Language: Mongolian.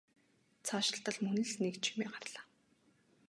Цаашилтал мөн л нэг чимээ гарлаа.